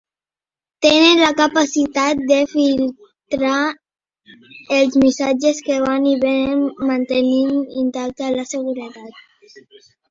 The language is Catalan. Tenen la capacitat de filtrar els missatges que van i venen mantenint intacta la seguretat.